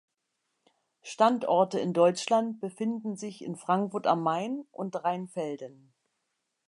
Standorte in Deutschland befinden sich in Frankfurt am Main und Rheinfelden.